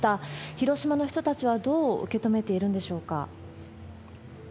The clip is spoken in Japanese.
広島の人たちはどう受け止めているんでしょうか。